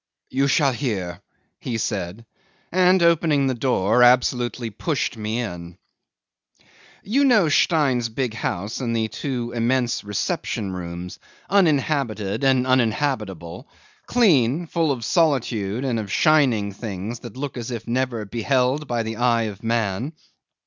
"You shall hear," he said, and opening the door, absolutely pushed me in. 'You know Stein's big house and the two immense reception rooms, uninhabited and uninhabitable, clean, full of solitude and of shining things that look as if never beheld by the eye of man?